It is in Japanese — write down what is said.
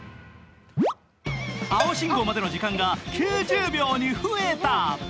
青信号までの時間が９０秒に増えた。